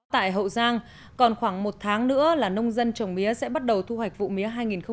tại hậu giang còn khoảng một tháng nữa là nông dân trồng mía sẽ bắt đầu thu hoạch vụ mía hai nghìn một mươi bảy hai nghìn một mươi tám